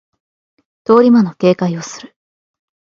通り魔の警戒をする